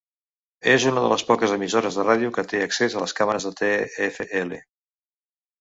És una de les poques emissores de ràdio que té accés a les càmeres de TfL.